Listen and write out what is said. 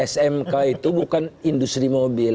smk itu bukan industri mobil